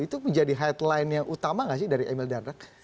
itu menjadi headline yang utama tidak dari emil dadak